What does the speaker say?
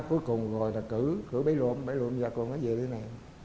cuối cùng rồi là cử bấy luộm bấy luộm giờ còn nó về đây này